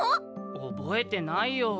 おぼえてないよ。